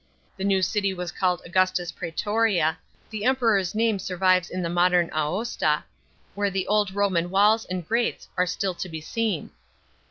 The new city was called Augusta Pretoria jCliO iUmpcrors name survives in the modern Aosta, whore the old llom^n walls and gates are still to be seen.